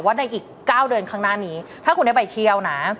ในอีก๙เดือนข้างหน้านี้ถ้าคุณได้ไปเที่ยวนะ